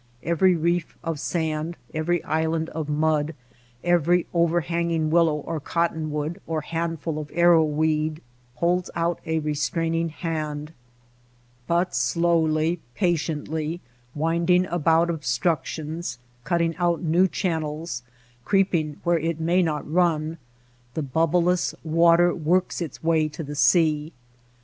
Every reef of sand, every island of mud, every THE SILENT RIVER 65 overhanging willow or cottonwood or handful of arrow weed holds out a restraining hand. But slowly, patiently, winding about obstruc tions, cutting out new channels, creeping where it may not run, the bubbleless water works its way to the sea.